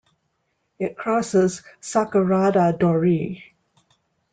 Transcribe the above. It crosses Sakurada Dori.